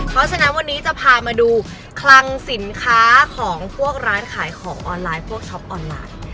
เพราะฉะนั้นวันนี้จะพามาดูคลังสินค้าของพวกร้านขายของออนไลน์พวกช็อปออนไลน์